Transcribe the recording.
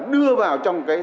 đưa vào trong cái